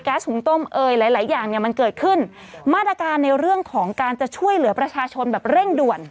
หุงต้มเอ่ยหลายหลายอย่างเนี่ยมันเกิดขึ้นมาตรการในเรื่องของการจะช่วยเหลือประชาชนแบบเร่งด่วน